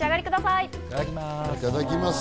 いただきます。